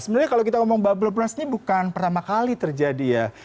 sebenarnya kalau kita ngomong bubble plus ini bukan pertama kali terjadi ya